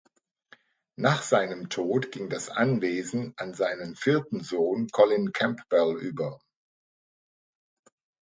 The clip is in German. Nach seinem Tod ging das Anwesen an seinen vierten Sohn "Colin Campbell" über.